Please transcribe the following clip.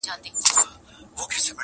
په هغه ورځ یې مرګی ورسره مل وي،